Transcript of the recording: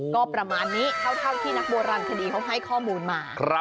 ก็ประมาณนี้เท่าที่นักโบราณคดีเขาให้ข้อมูลมา